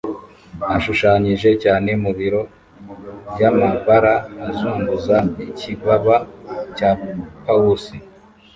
ashushanyije cyane mu biro byamabara azunguza ikibaba cya pawusi